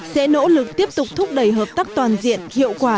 sẽ nỗ lực tiếp tục thúc đẩy hợp tác toàn diện hiệu quả